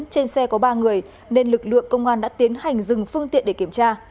trên xe có ba người nên lực lượng công an đã tiến hành dừng phương tiện để kiểm tra